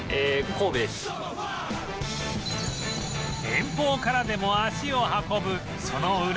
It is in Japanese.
遠方からでも足を運ぶその何？